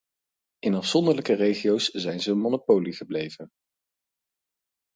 In afzonderlijke regio's zijn ze een monopolie gebleven.